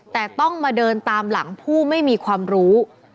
แต่ต้องมาเดินตามหลังผู้ไม่มีความรู้